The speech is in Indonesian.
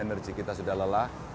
energi kita sudah lelah